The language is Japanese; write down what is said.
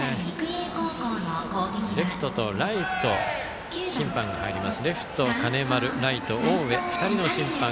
レフトとライト審判が入ります。